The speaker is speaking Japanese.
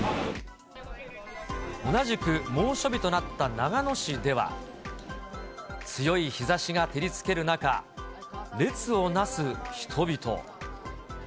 同じく猛暑日となった長野市では、強い日ざしが照りつける中、列をなす人々。